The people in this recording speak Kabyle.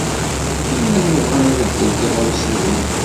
Nella nebɣa ad nbeddel tiɣawsiwin.